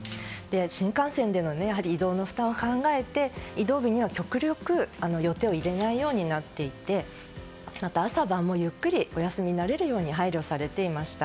新幹線での移動の負担を考えて移動日には極力予定を入れないようになっていてまた、朝晩もゆっくりお休みになれるように配慮されていました。